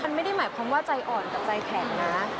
มันไม่ได้หมายความว่าใจอ่อนกับใจแข็งนะ